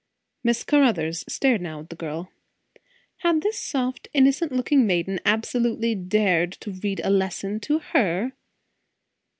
Miss Caruthers stared now at the girl. Had this soft, innocent looking maiden absolutely dared to read a lesson to her?